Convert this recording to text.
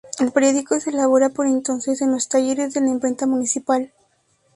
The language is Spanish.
El periódico se elaboraba por entonces en los talleres de la Imprenta Municipal.